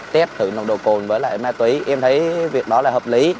tết thử nông độ côn với lại ma túy em thấy việc đó là hợp lý